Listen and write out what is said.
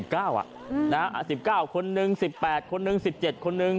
คนหนึ่ง๑๘คนหนึ่ง๑๗คนหนึ่ง